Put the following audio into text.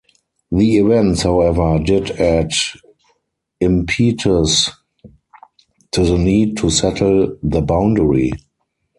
The events, however, did add impetus to the need to settle the boundary.